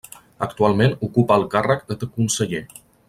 Actualment ocupa el càrrec de conseller.